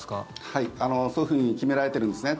はい、そういうふうに決められているんですね。